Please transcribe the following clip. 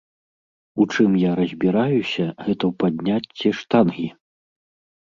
У чым я разбіраюся, гэта ў падняцці штангі.